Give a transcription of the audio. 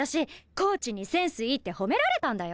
コーチにセンスいいって褒められたんだよ！？